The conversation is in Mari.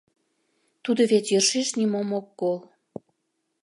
Тудо вет йӧршеш нимом ок кол...